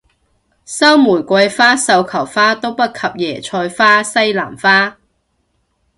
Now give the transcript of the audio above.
收玫瑰花繡球花都不及椰菜花西蘭花